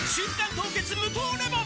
凍結無糖レモン」